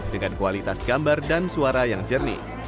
dengan kualitas gambar dan suara yang jernih